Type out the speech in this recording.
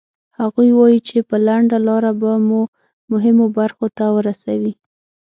هغوی وایي چې په لنډه لاره به مو مهمو برخو ته ورسوي.